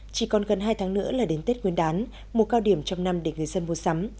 chỉ còn gần hai tháng nữa là đến tết nguyên đán một cao điểm trong năm để người dân mua sắm